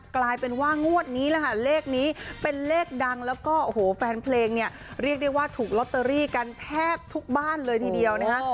กลายเป็นว่างวดนี้แหละค่ะเลขนี้เป็นเลขดังแล้วก็โอ้โหแฟนเพลงเนี่ยเรียกได้ว่าถูกลอตเตอรี่กันแทบทุกบ้านเลยทีเดียวนะคะ